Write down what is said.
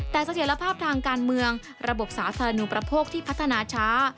แต่เสถียรภาพทางการเมืองระบบสาธารณูประโภคที่พัฒนาช้า